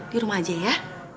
di rumah aja ya